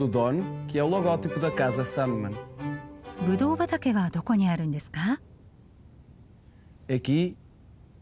ぶどう畑はどこにあるんですか？